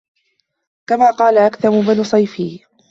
كَمَا قَالَ أَكْثَمُ بْنُ صَيْفِيٍّ